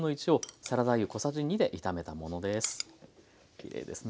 きれいですね。